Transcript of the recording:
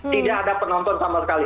tidak ada penonton sama sekali